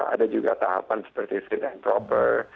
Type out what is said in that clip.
ada juga tahapan seperti fit and proper